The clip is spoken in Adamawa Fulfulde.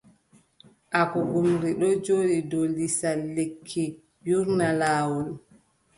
Agugumri ɗon jooɗi dow lisal lekki yuurno laawol.